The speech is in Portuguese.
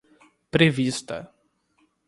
prevista